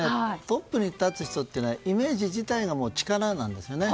トップに立つ人というのはイメージ自体が力なんですよね。